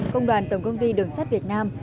công đoàn tổng công ty đường sát việt nam